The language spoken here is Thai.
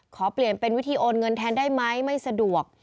ขอเปลี่ยนเป็นวิธีโอนเงินแทนได้ไหมไม่สะดวก